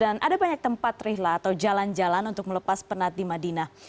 dan ada banyak tempat rihla atau jalan jalan untuk melepas penat di madinah